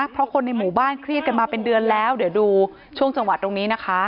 เพราะคนในหมู่บ้านเครียดกันมาเป็นเดือนแล้วเดี๋ยวดูช่วงจังหวัดตรงนี้นะคะ